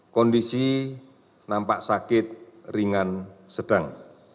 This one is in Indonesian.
kondisi nampak sakit ringan sedang